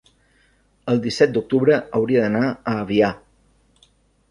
el disset d'octubre hauria d'anar a Avià.